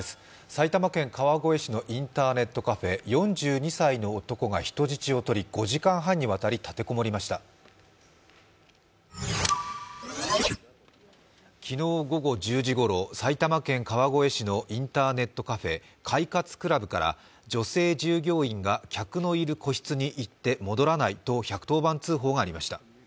埼玉県川越市のインターネットカフェ、４２歳の男が人質をとり５時間半にわたり立て籠もりました昨日午後１０時ごろ、埼玉県川越市のインターネットカフェ、快活ＣＬＵＢから女性従業員が客のいる個室に行って戻らないと１１０番通報がありました。